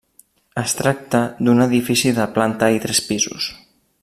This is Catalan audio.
Es tracta d'un edifici de planta i tres pisos.